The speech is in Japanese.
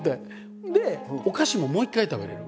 でお菓子ももう一回食べれる。